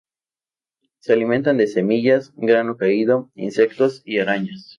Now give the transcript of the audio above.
Se alimentan de semillas, grano caído, insectos y arañas.